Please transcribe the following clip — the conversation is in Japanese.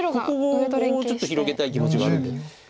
ここをもうちょっと広げたい気持ちがあるんで。